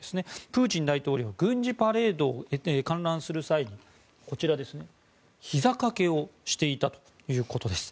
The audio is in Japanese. プーチン大統領軍事パレードを観覧する際にこちら、ひざ掛けをしていたということです。